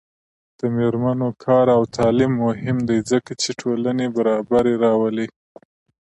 د میرمنو کار او تعلیم مهم دی ځکه چې ټولنې برابري راولي.